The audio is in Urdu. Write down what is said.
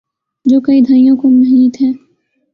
جو کئی دھائیوں کو محیط ہے۔